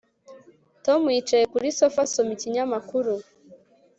Tom yicaye kuri sofa asoma ikinyamakuru